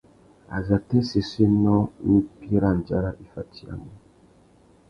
Azatê séssénô mpí râ andjara i fatiyamú?